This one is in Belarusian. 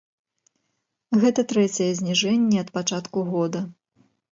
Гэта трэцяе зніжэнне ад пачатку года.